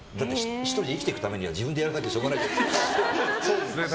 １人で生きていくためには自分でやらないとしょうがない。